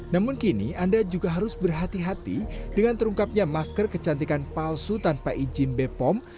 namun kini anda juga harus berhati hati dengan terungkapnya masker kecantikan palsu tanpa izin bepom